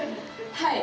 はい。